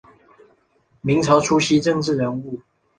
明朝初期政治人物。